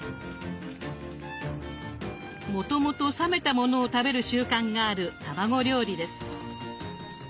もともと冷めたものを食べる習慣がある卵料理です。